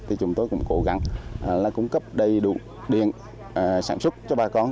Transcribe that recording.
thì chúng tôi cũng cố gắng là cung cấp đầy đủ điện sản xuất cho bà con